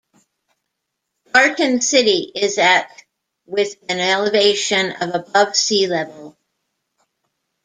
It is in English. Barton City is at with an elevation of above sea level.